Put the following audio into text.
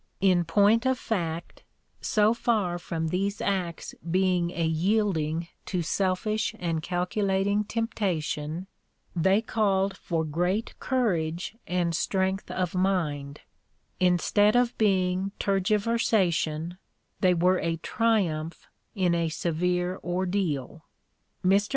In point of fact, so far from these acts being a yielding to selfish and calculating temptation, they called for great courage and strength of mind; instead of being tergiversation, they were a triumph in a severe ordeal. Mr.